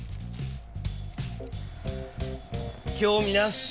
興味なし！